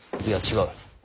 いや違う。